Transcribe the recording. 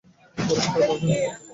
পরিষ্কার ভাবে, ম্যাম।